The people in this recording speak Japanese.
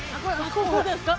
こうこうですか？